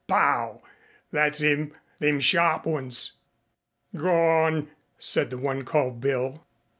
Pow! That's 'im them sharp ones." "Garn!" said the one called Bill.